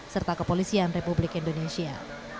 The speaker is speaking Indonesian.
serta kepolisian republik indonesia